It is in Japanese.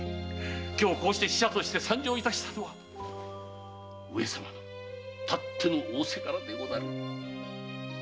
今日こうして使者として参上いたしたのは上様のたっての仰せからでござる。